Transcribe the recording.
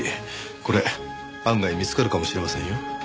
これ案外見つかるかもしれませんよ。